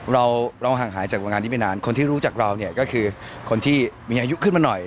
เราเราห่างหายจากโรงงานนี้ไปนานคนที่รู้จักเราเนี่ยก็คือคนที่มีอายุขึ้นมาหน่อย